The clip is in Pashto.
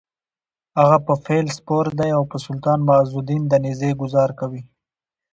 هغه په فیل سپور دی او په سلطان معزالدین د نېزې ګوزار کوي: